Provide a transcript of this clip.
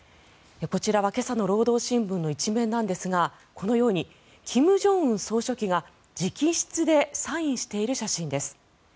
こちらは今朝の労働新聞の１面なんですがこのように金正恩総書記が直筆でサインしている写真です。